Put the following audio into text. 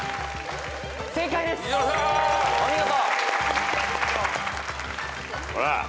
お見事。